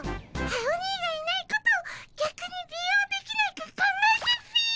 アオニイがいないことをぎゃくに利用できないか考えたっピィ！